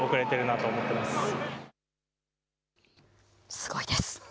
すごいです。